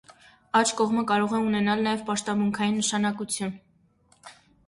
Աջ կողմը կարող է ունենալ նաև պաշտամունքային նշանակություն։